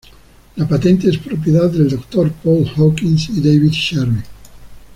La patente es propiedad del Dr. Paul Hawkins y David Sherry.